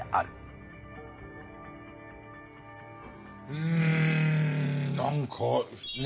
うん何かね